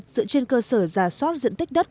dựa trên cơ sở giả soát diện tích đất